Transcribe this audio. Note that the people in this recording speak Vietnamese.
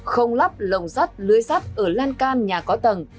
không lắp lồng sắt lưới sắt ở lan can nhà có tầng